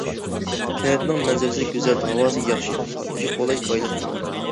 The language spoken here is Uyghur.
كەنتنىڭ مەنزىرىسى گۈزەل، ھاۋاسى ياخشى، قاتنىشى قولاي، بايلىقى مول.